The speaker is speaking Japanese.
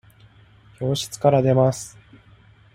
教室から出ます。